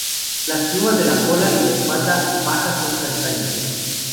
Las plumas de la cola y la espalda baja son castañas.